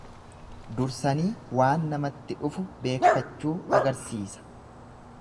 Dursanii waan namatti dhufu beekkachuu agarsiisa.